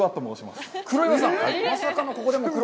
まさかのここでも黒。